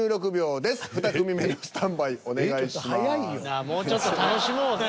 なあもうちょっと楽しもうぜ。